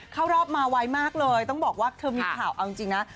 เข้ารอบมาไวมากเลยต้องบอกว่าเธอมีข่าวเอาจริงนะ